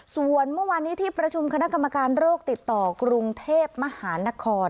ส่วนเมื่อวานนี้ที่ประชุมคณะกรรมการโรคติดต่อกรุงเทพมหานคร